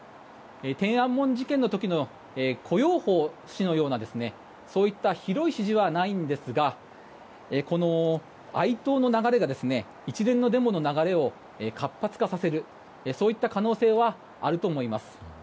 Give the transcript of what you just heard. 天安門事件の時の胡耀邦氏のようなそういった広い支持はないんですが哀悼の流れが一連のデモの流れを活発化させるそういった可能性はあると思います。